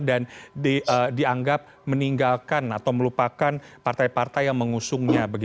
dan dianggap meninggalkan atau melupakan partai partai yang mengusungnya